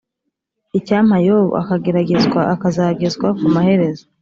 “icyampa yobu akageragezwa akazagezwa ku maherezo,